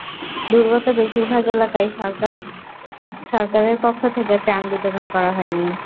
দুর্গত বেশির ভাগ এলাকায় সরকারের পক্ষ থেকে ত্রাণ বিতরণ করা হয়নি।